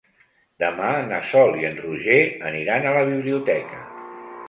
Demà na Sol i en Roger aniran a la biblioteca.